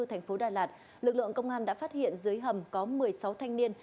thành phố đà lạt lực lượng công an đã phát hiện dưới hầm có một mươi sáu thanh niên